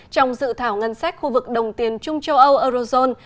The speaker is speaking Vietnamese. trong dự thảo ngân sách khu vực đồng tiền trung châu âu eurozone